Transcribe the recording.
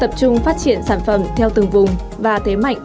tập trung phát triển sản phẩm theo từng vùng và thế mạnh của địa phương